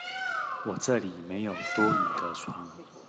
我這裡沒有多餘的床